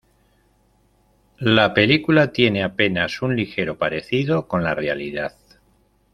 La película tiene apenas un ligero parecido con la realidad.